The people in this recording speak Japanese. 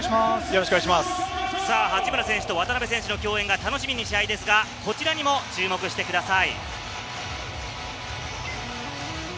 八村選手と渡邊選手の共演が楽しみな試合ですが、こちらにも注目してください。